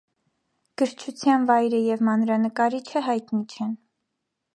Գրչության վայրը և մանրանկարիչը հայտնի չեն։